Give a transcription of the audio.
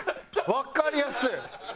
わかりやすい！